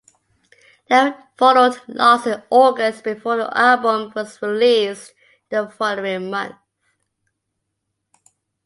Then followed "Lost" in August before the album was released the following month.